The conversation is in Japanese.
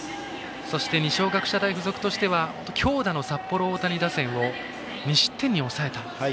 そして二松学舎大付属としては強打の札幌大谷打線を２失点に抑えた。